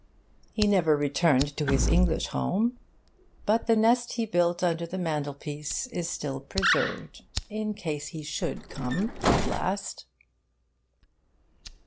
He never returned to his English home; but the nest he built under the mantelpiece is still preserved in case he should come at last.